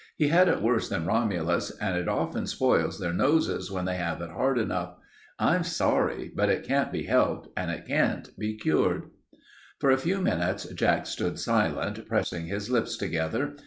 He had it worse than Romulus and it often spoils their noses when they have it hard enough. I'm sorry, but it can't be helped and it can't be cured." For a few minutes Jack stood silent, pressing his lips together.